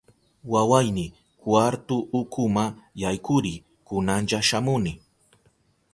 Wawayni, kwartu ukuma yaykuriy, kunalla shamuni.